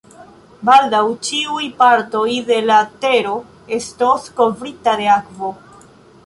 Baldaŭ, ĉiuj partoj de la tero estos kovrita de akvo.